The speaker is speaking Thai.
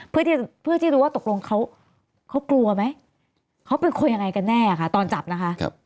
เพื่อที่รู้ว่าตกลงเขากลัวไหมเขาเป็นคนยังไงกันแน่ค่ะตอนจับนะคะ